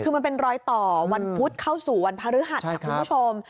คือมันเป็นรอยต่อวันพุธเข้าสู่วันพฤหัสค่ะคุณผู้ชม